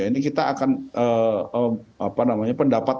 ini kita akan pendapat